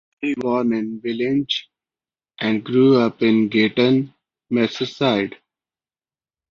He was born in Billinge, and grew up in Gayton, Merseyside.